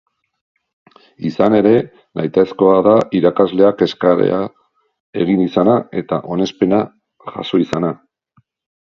Izan ere, nahitaezkoa da irakasleak eskaera egin izana eta onespena jaso izana.